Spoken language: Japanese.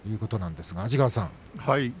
安治川さん